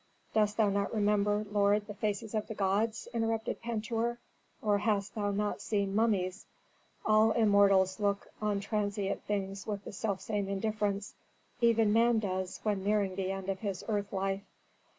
"Dost thou not remember, lord, the faces of the gods," interrupted Pentuer, "or hast thou not seen mummies? All immortals look on transient things with the selfsame indifference. Even man does when nearing the end of his earth life."